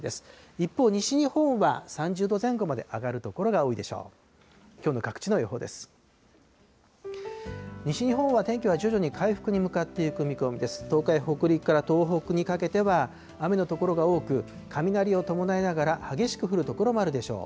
一方、西日本は３０度前後まで上がる所が多いでしょう。